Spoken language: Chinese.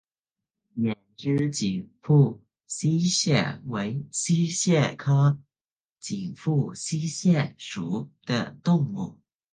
扁肢紧腹溪蟹为溪蟹科紧腹溪蟹属的动物。